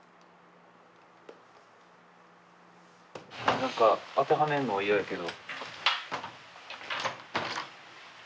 何か当てはめんのは嫌やけど。